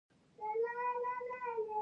کسبګرو وسایل پرمختللي او ښه کړل.